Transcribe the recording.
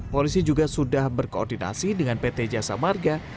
polisi juga sudah berkoordinasi dengan pt jasa marga